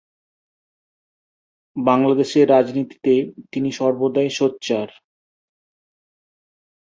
বাংলাদেশের রাজনীতিতে তিনি সর্বদাই সোচ্চার।